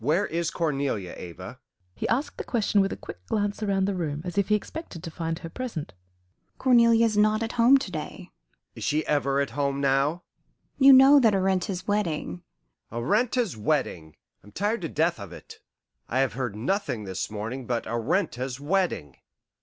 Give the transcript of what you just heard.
"Where is Cornelia, Ava?" He asked the question with a quick glance round the room, as if he expected to find her present. "Cornelia is not at home to day." "Is she ever at home now?" "You know that Arenta's wedding " "Arenta's wedding! I am tired to death of it: I have heard nothing this morning but Arenta's wedding.